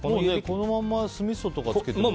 このまま酢みそとかつけても。